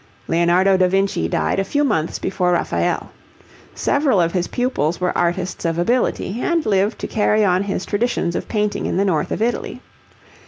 Leonardo da Vinci died a few months before Raphael. Several of his pupils were artists of ability, and lived to carry on his traditions of painting in the north of Italy.